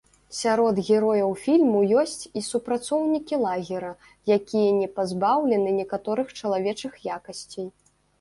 Сярод герояў фільму ёсць і супрацоўнікі лагера, якія не пазбаўлены некаторых чалавечых якасцей.